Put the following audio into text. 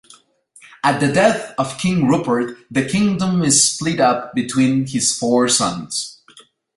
At the death of King Rupert, the kingdom is split up between his four sons.